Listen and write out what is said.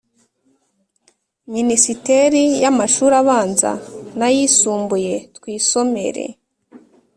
Minisiteri y Amashuri Abanza n Ayisumbuye Twisomere